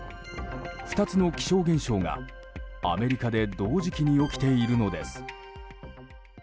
２つの気象現象がアメリカで同時期に起きているのです。